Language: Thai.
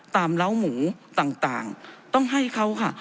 ตามเหล้าหมูต่างต่างต้องให้เขาค่ะ